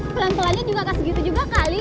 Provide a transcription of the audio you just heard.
pelan pelan ya juga kak segitu juga kali